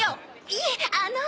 いえあの。